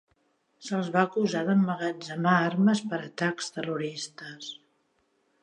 Se'ls va acusar d'emmagatzemar armes per atacs terroristes.